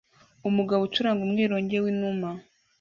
Umugabo ucuranga umwironge w'inuma